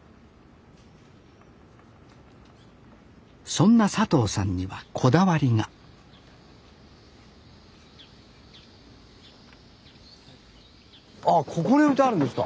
そんな佐藤さんにはこだわりがあここに置いてあるんですか？